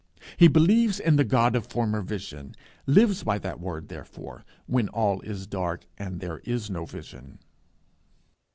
He believes in the God of former vision, lives by that word therefore, when all is dark and there is no vision.